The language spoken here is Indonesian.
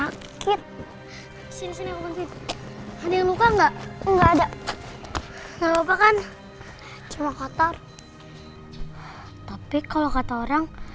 hai kit sini mungkin ada yang bukan enggak enggak ada ngomongkan cuma kotor tapi kalau kata orang